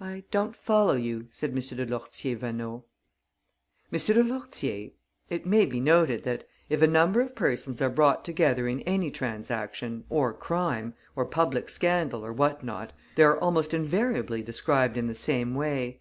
"I don't follow you," said M. de Lourtier Vaneau. "M. de Lourtier, it may be noted that, if a number of persons are brought together in any transaction, or crime, or public scandal or what not, they are almost invariably described in the same way.